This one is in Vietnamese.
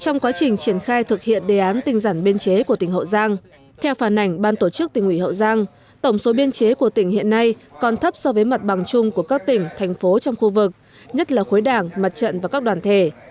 trong quá trình triển khai thực hiện đề án tinh giản biên chế của tỉnh hậu giang theo phản ảnh ban tổ chức tỉnh ủy hậu giang tổng số biên chế của tỉnh hiện nay còn thấp so với mặt bằng chung của các tỉnh thành phố trong khu vực nhất là khối đảng mặt trận và các đoàn thể